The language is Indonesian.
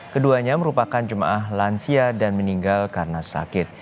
keduanya merupakan jemaah lansia dan meninggal karena sakit